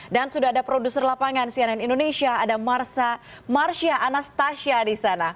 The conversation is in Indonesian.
dan sudah ada produser lapangan cnn indonesia ada marsha anastasia di sana